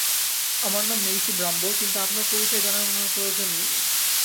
আমার নাম Maisie Bramble, কিন্তু আপনার পরিচয় জানানোর প্রয়োজন নেই।